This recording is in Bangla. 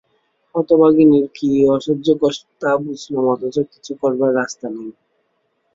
হতভাগিনীর যে কী অসহ্য কষ্ট তা বুঝলুম অথচ কিছুই করবার রাস্তা নেই।